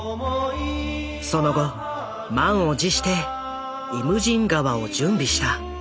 その後満を持して「イムジン河」を準備した。